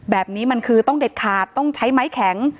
แบบนี้มันคือต้องเด็ดขาดต้องใช้ไม้แข็ง